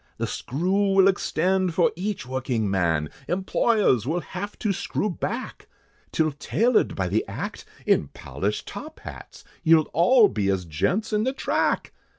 The screw will extend for each working man, Employers will have to screw back, Till tailored by the act, in polished top hats, You'll all be as gents in the track!